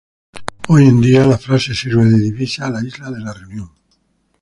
Hoy en día, la frase sirve de divisa a la Isla de la Reunión.